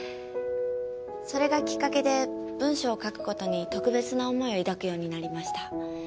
それがきっかけで文章を書くことに特別な思いを抱くようになりました。